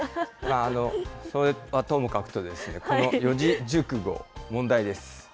それはともかくと、この四字熟語、問題です。